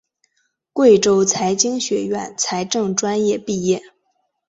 贵州财经学院财政专业毕业。